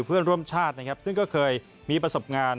เพื่อนร่วมชาตินะครับซึ่งก็เคยมีประสบการณ์